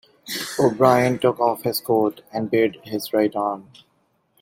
O'Brien took off his coat and bared his right arm.